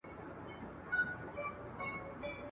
ورته راغی چي طبیب چا ورښودلی!.